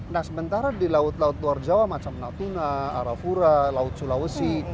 nah sementara di laut laut luar jawa macam natuna arafura laut sulawesi